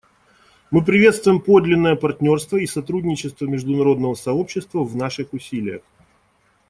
Мы приветствуем подлинное партнерство и сотрудничество международного сообщества в наших усилиях.